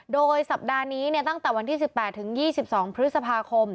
โดยสัปดาห์นี้เนี่ยตั้งแต่วันที่สิบแปดถึงยี่สิบสองพฤษภาคม